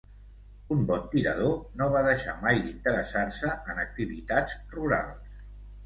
Un bon tirador, no va deixar mai d'interessar-se en activitats rurals.